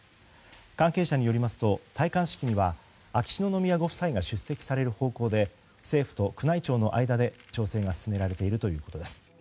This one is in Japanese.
関係者によりますと、戴冠式には秋篠宮ご夫妻が出席される方向で政府と宮内庁の間で調整が進められているということです。